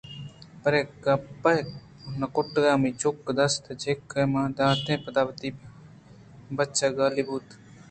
پرے گپّ ءَ کُنٹگ منی چُکّ ءِ دست ءَ جِکّ مہ داتیںءُ پدا وتی بچّ ءَ گالی بُوت